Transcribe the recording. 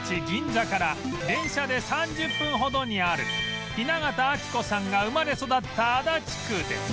銀座から電車で３０分ほどにある雛形あきこさんが生まれ育った足立区で